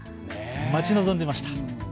待ち望んでいました。